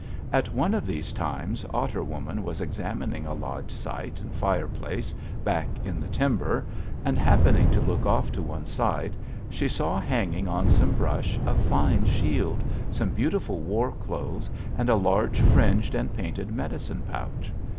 At one of these times Otter Woman was examining a lodge site and fireplace back in the timber, and, happening to look off to one side, she saw hanging on some brush a fine shield, some beautiful war clothes, and a large fringed and painted medicine pouch.